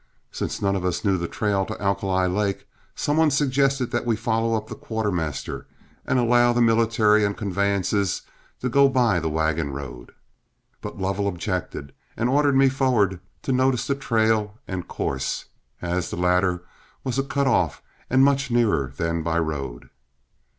Since none of us knew the trail to Alkali Lake, some one suggested that we follow up the quartermaster and allow the military and conveyances to go by the wagon road. But Lovell objected, and ordered me forward to notice the trail and course, as the latter was a cut off and much nearer than by road.